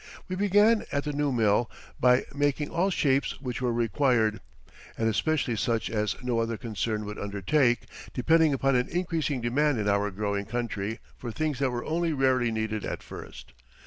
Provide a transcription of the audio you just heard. We began at the new mill by making all shapes which were required, and especially such as no other concern would undertake, depending upon an increasing demand in our growing country for things that were only rarely needed at first.